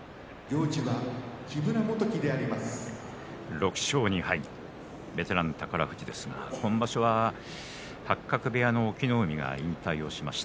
６勝２敗、ベテラン宝富士ですが、今場所は八角部屋の隠岐の海が引退しました。